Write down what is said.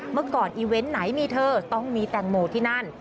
เมื่อก่อนอีเวนต์ไหนมีเธอต้องมีแตงโมที่นั่น